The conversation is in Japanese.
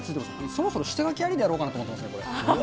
そろそろ下描きありでやろうかなと思ってます。